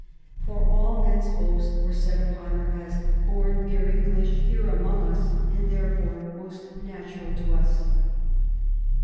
For all men's hopes were set upon her as '* born mere English, here among us, and therefore most natural to us